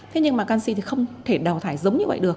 thế nhưng mà canxi thì không thể đào thải giống như vậy được